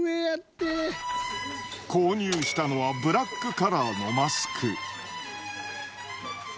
購入したのはブラックカラーのマスク。